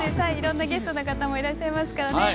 いろんなゲストの方もいらっしゃいますからね。